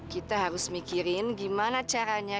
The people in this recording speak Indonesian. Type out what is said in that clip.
kita harus mikirin gimana caranya